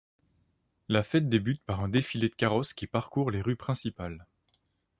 La fête débute par un défilé de carrosses qui parcourent les rues principales.